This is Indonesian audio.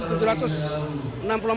dari jadwal yang diperoleh